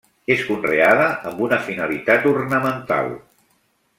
És conreada amb una finalitat ornamental.